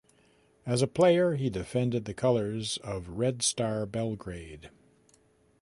As a player, he defended the colours of Red Star Belgrade.